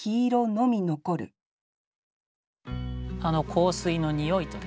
香水の匂いとですね